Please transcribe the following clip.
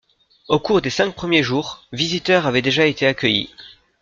Au cours des cinq premiers jours, visiteurs avaient déjà été accueillis.